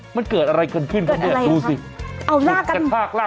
มันเกิดอะไรกันขึ้นนะคะ